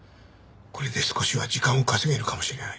これで少しは時間を稼げるかもしれない。